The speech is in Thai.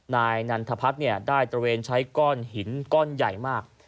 นายนันทพัฒน์ได้ตระเวนใช้ก้อนหินก้อนใหญ่มาก